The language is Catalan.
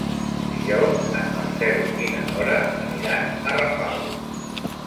Dijous en Marcel i na Nora aniran a Rafal.